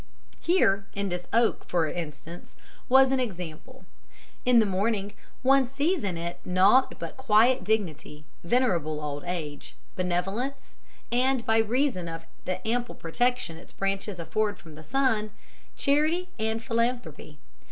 Here, in this oak, for instance, was an example. In the morning one sees in it nought but quiet dignity, venerable old age, benevolence, and, by reason of the ample protection its branches afford from the sun, charity and philanthropy.